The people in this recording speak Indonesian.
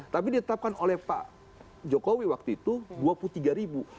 tapi ditetapkan oleh pak jokowi waktu itu dua puluh tiga ribu